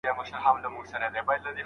د پوهانو رول تر سیاستوالو کم نه دی.